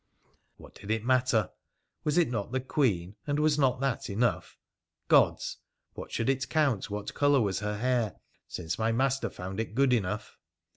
What did it matter ? Was it not the Queen, and was not that enough ? Gods ! What should it count what colour was her hair, since my master found it good enough